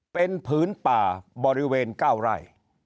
เป็นผืนป่าบริเวณ๙ไร่